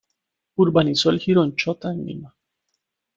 Urbanizó el Jirón Chota en Lima.